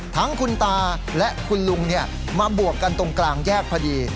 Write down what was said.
ทั้งคุณตาและคุณลุงมาบวกกันตรงกลางแยกพอดี